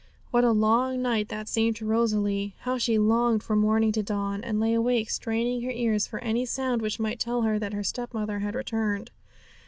What a long night that seemed to Rosalie! How she longed for morning to dawn, and lay awake straining her ears for any sound which might tell her that her stepmother had returned.